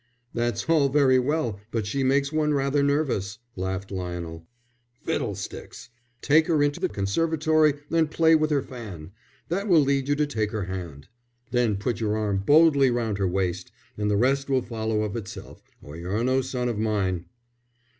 "That's all very well, but she makes one rather nervous," laughed Lionel. "Fiddlesticks! Take her into the conservatory and play with her fan. That will lead you to take her hand. Then put your arm boldly round her waist; and the rest will follow of itself, or you're no son of mine."